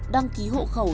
đăng ký hộ khẩu